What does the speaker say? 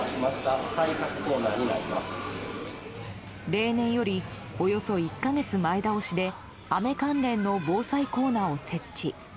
例年よりおよそ１か月前倒しで雨関連の防災コーナーを設置。